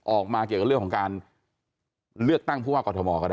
เกี่ยวกับเรื่องของการเลือกตั้งผู้ว่ากรทมก็ได้